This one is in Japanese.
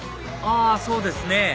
あそうですね